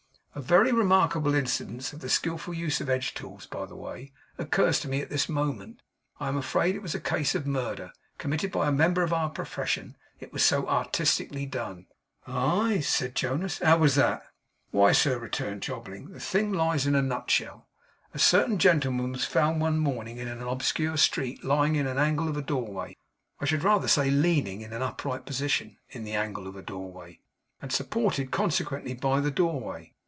A very remarkable instance of the skillful use of edge tools, by the way, occurs to me at this moment. It was a case of murder. I am afraid it was a case of murder, committed by a member of our profession; it was so artistically done.' 'Aye!' said Jonas. 'How was that?' 'Why, sir,' returned Jobling, 'the thing lies in a nutshell. A certain gentleman was found, one morning, in an obscure street, lying in an angle of a doorway I should rather say, leaning, in an upright position, in the angle of a doorway, and supported consequently by the doorway.